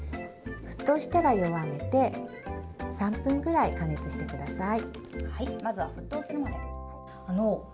沸騰したら弱めて３分ぐらい加熱してください。